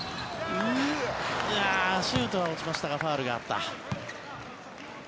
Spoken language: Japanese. シュートは落ちましたがファウルはあった。